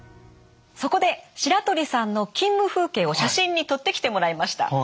そこで白鳥さんの勤務風景を写真に撮ってきてもらいました。